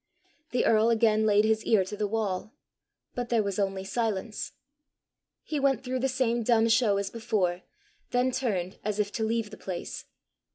The earl again laid his ear to the wall. But there was only silence. He went through the same dumb show as before, then turned as if to leave the place.